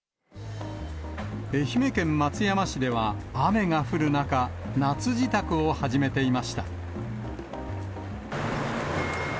愛媛県松山市では雨が降る中、夏支度を始めていました。